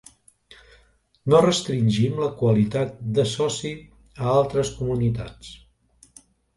No restringim la qualitat de soci a altres comunitats.